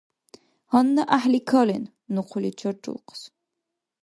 Гьанна гӀяхӀли кален! Ну хъули чаррулхъас.